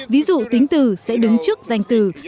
ví dụ tính từ sẽ đứng trước danh từ